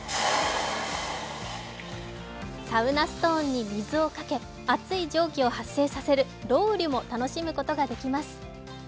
サウナストーンに水をかけ、熱い蒸気を発生させるロウリュも楽しむことができます。